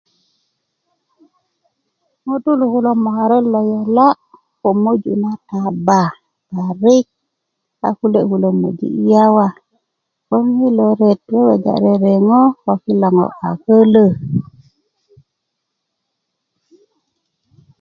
ŋutulu kulo moka ret lo yola' ko möju na taba parik a kule' kulo moji' yawa 'boŋ yilo ret weweja rereŋo ko kilo ŋo' a kölö